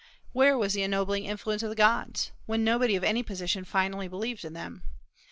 Where was the ennobling influence of the gods, when nobody of any position finally believed in them?